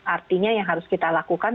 artinya yang harus kita lakukan